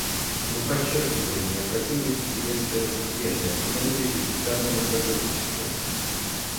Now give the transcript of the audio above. Мы подчеркивали необходимость уделять первостепенное внимание результатам и сотрудничеству.